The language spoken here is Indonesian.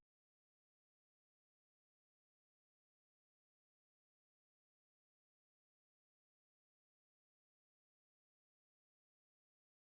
aku sudah suka